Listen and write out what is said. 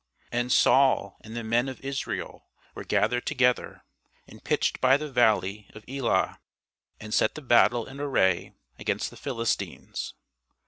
And Saul and the men of Israel were gathered together, and pitched by the valley of Elah, and set the battle in array against the Philistines.